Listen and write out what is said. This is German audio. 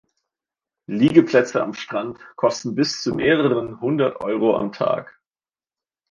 Liegeplätze am Strand kosten bis zu mehreren hundert Euro am Tag.